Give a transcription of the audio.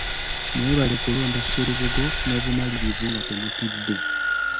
Mwebale kulonda Sserubogo n’obumalirivu nga temutidde.